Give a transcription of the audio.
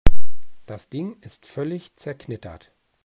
Das Ding ist völlig zerknittert.